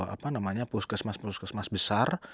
apa namanya puskesmas puskesmas besar